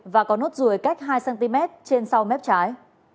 và có nốt ruồi cách hai cm trên sau mép trái